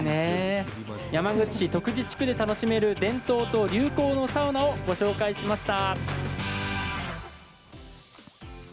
山口市徳地地区で楽しめる伝統と流行のサウナをご紹介しました。